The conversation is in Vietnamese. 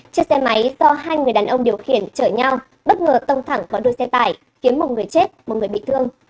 chiếc xe máy do hai người đàn ông điều khiển chở nhau bất ngờ tông thẳng vào đuôi xe tải khiến một người chết một người bị thương